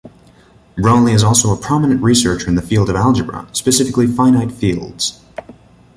Brawley is also a prominent researcher in the field of algebra, specifically finite fields.